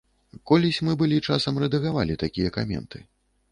Колісь мы былі часам рэдагавалі такія каменты.